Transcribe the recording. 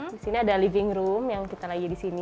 disini ada living room yang kita lagi di sini